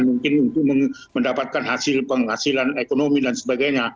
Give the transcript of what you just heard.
mungkin untuk mendapatkan hasil penghasilan ekonomi dan sebagainya